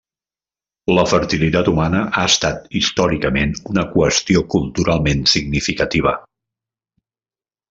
La fertilitat humana ha estat històricament una qüestió culturalment significativa.